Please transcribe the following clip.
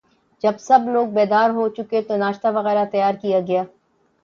جب سب لوگ بیدار ہو چکے تو ناشتہ وغیرہ تیار کیا گیا